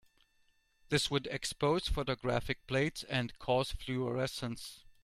This would expose photographic plates and cause fluorescence.